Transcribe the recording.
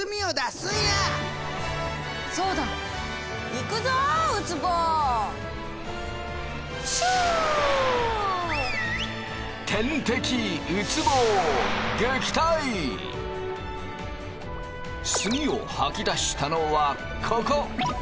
すみを吐き出したのはここ。